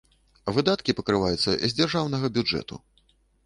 Выдаткі пакрываюцца з дзяржаўнага бюджэту.